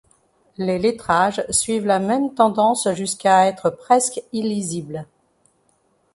Les lettrages suivent la même tendance jusqu'à être presque illisibles.